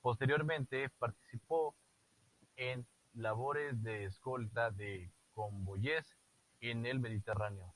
Posteriormente, participó en labores de escolta de convoyes en el Mediterráneo.